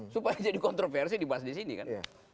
supaya jadi kontroversi dibahas di sini kan